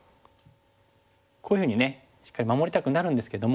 こういうふうにねしっかり守りたくなるんですけども。